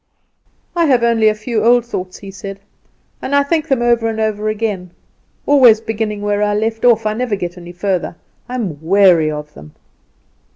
"I have only a few old thoughts," he said, "and I think them over and over again; always beginning where I left off. I never get any further. I am weary of them."